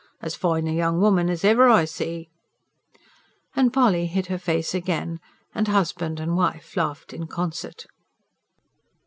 As fine a young woman as ever I see!'" And Polly hid her face again; and husband and wife laughed in concert.